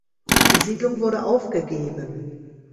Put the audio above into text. Die Siedlung wurde aufgegeben.